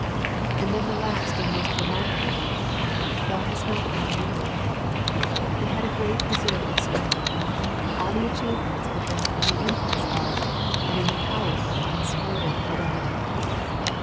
And then the last and most remarkable word, " Thou hast not grown weary." They had a great reserve of strength. All the achievements had been under the impulse of, and in the power of unswerving fidelity.